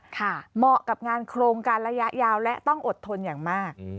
เหมาะกับงานโครงการระยะยาวและต้องอดทนอย่างมาก